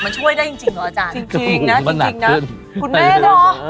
มันช่วยได้จริงจริงหรออาจารย์จริงจริงนะจริงจริงนะคุณแม่เนอะเออ